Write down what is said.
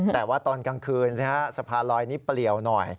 แต่ว่าตอนกลางคืนสะพานลอยนี้เปลี่ยวหน่อย